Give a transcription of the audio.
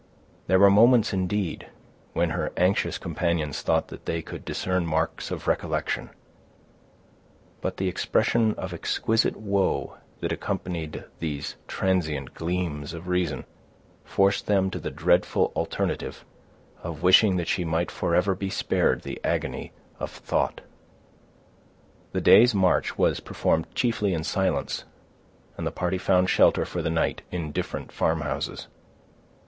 There were moments, indeed, when her anxious companions thought that they could discern marks of recollection; but the expression of exquisite woe that accompanied these transient gleams of reason, forced them to the dreadful alternative of wishing that she might forever be spared the agony of thought. The day's march was performed chiefly in silence, and the party found shelter for the night in different farmhouses.